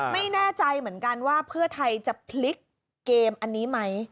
ไม่แน่ใจเหมือนกันว่าเพื่อไทยจะพลิกเกมอันนี้ไหม